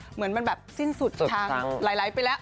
เหมือนมันแบบสิ้นสุดทางไหลไปแล้ว